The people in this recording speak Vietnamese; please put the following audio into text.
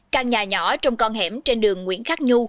căn nhà nhỏ trong con hẻm trên đường nguyễn khắc nhu